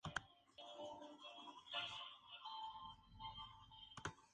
Debido a los daños estructurales sufridos, la aeronave debió ser desmantelada y destruida.